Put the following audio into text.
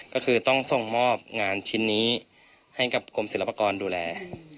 ก็คือต้องส่งมอบงานชิ้นนี้ให้กับกรมศิลปากรดูแล